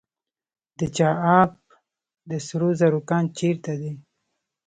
د چاه اب د سرو زرو کان چیرته دی؟